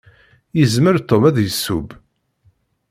Yezmer Tom ad iseww.